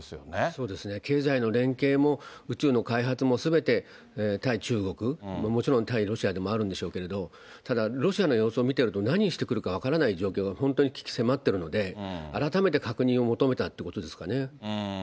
そうですね、経済の連携も、宇宙の開発もすべて対中国、もちろん対ロシアでもあるんでしょうけれども、ただ、ロシアの様子を見てると何をしてくるか分からない状況が本当に鬼気迫ってるので、改めて確認を求めたってことですかね。